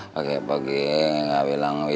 pakai pakai gak bilang wih wih